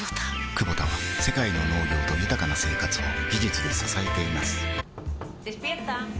クボタは世界の農業と豊かな生活を技術で支えています起きて。